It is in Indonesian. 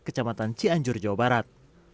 kecamatan cianjur jawa barat